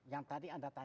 yang tadi anda tanyakan